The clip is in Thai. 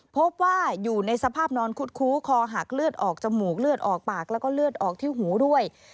พบว่าอยู่ในสภาพนอนคุดคู้คอหักเลือดออกจมูกเลือดออกปากแล้วก็เลือดออกที่หูด้วย